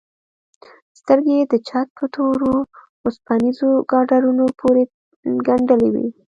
سترگې يې د چت په تورو وسپنيزو ګاډرونو پورې گنډلې وې.